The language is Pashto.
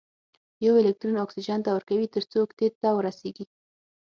یو الکترون اکسیجن ته ورکوي تر څو اوکتیت ته ورسیږي.